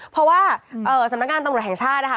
เพราะว่าสำนักงานตำรวจแห่งชาตินะคะ